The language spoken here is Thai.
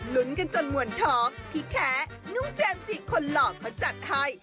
ลุ้นกันจนมวลท้องที่แท้น้องเจมส์จิคนหล่อเขาจัดให้